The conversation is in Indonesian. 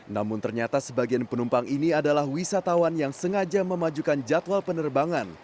namun ternyata sebagian penumpang ini adalah wisatawan yang sengaja memajukan jadwal penerbangan